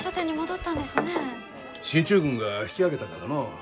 進駐軍が引き揚げたからのう。